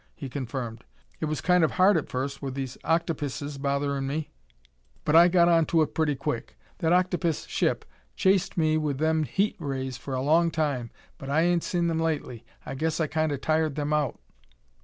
he confirmed. "It was kind of hard at first, with these octopises botherin' me, but I got onto it pretty quick. That octopis ship chased me with them heat rays for a long time, but I ain't seen them lately. I guess I kinda tired them out."